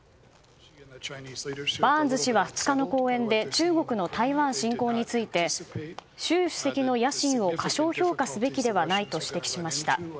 バーンズ氏は２日の講演で中国の台湾侵攻について習主席の野心を過小評価すべきではないと指摘しました。